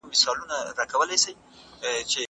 منطقي او غښتلی تحلیل د هرې ستونزې جوړښت ته اړتیا لري.